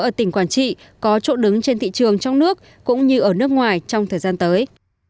ở tỉnh quảng trị có chỗ đứng trên thị trường trong nước cũng như ở nước ngoài trong thời gian tới